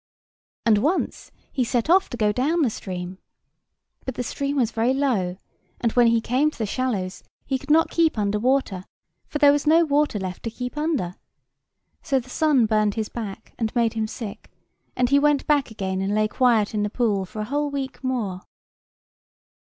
And once he set off to go down the stream. But the stream was very low; and when he came to the shallows he could not keep under water, for there was no water left to keep under. So the sun burned his back and made him sick; and he went back again and lay quiet in the pool for a whole week more.